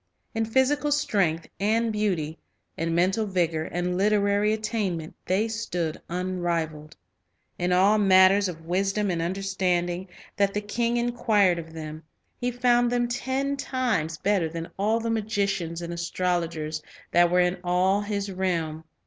In physical strength and beauty, in mental vigor and literary attainment, they stood unrivaled. " In all matters of wisdom and understanding, that the king inquired of them, he found them ten times better than all the magicians and astrologers that were in all his realm."